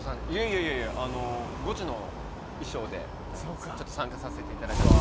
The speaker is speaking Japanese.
いえいえ、ゴチの衣装でちょっと参加させていただいたんで。